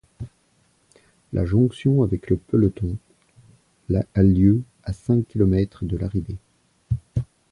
La jonction avec le peloton a lieu à cinq kilomètres de l'arrivée.